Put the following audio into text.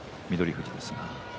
富士です。